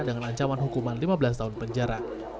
dengan ancaman hukuman lima belas tahun penjara